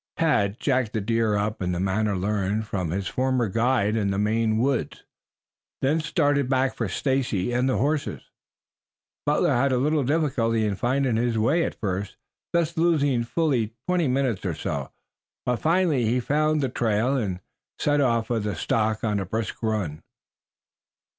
Tad jacked the deer up in the manner learned from his former guide in the Maine Woods, then started back for Stacy and the horses. Butler had a little difficulty in finding his way at first, thus losing fully twenty minutes, but finally he found the trail, and set off for the stock on a brisk run.